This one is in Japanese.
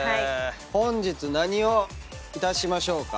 本日何をいたしましょうか？